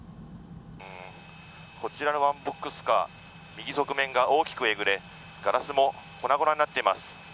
こちらのワンボックスカー右側面が大きくえぐれガラスも粉々になっています。